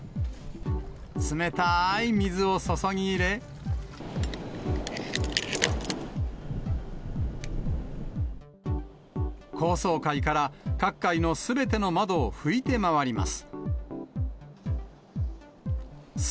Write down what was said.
冷たーい水を注ぎ入れ、高層階から各階のすべての窓を拭いて回ります。